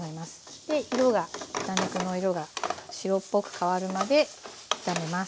で色が豚肉の色が白っぽく変わるまで炒めます。